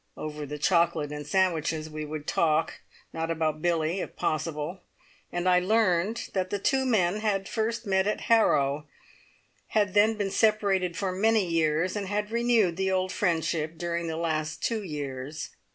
Over the chocolate and sandwiches we would talk not about Billie, if possible; and I learnt that the two men had first met at Harrow, had then been separated for many years, and had renewed the old friendship during the last two years.